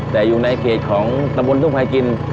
แต่อยู่ในเขตของตะบนทุ่งพายกิน